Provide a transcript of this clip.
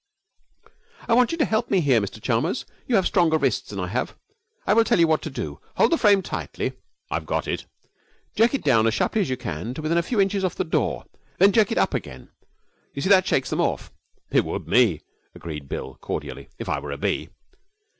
'I want you to help me here, Mr Chalmers. You have stronger wrists than I have. I will tell you what to do. Hold the frame tightly.' 'I've got it.' 'Jerk it down as sharply as you can to within a few inches of the door, and then jerk it up again. You see, that shakes them off.' 'It would me,' agreed Bill, cordially, 'if I were a bee.'